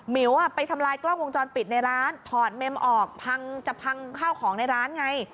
๋วไปทำลายกล้องวงจรปิดในร้านถอดเม็มออกพังจะพังข้าวของในร้านไง